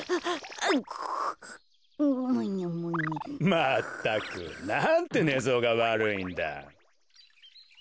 まったくなんてねぞうがわるいんだ。